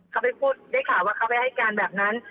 เขาไปพูดได้ข่าวว่าเขาไปให้การแบบนั้น